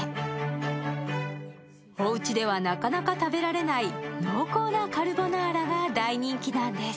おうちでは、なかなか食べられない濃厚なカルボナーラが大人気なんです。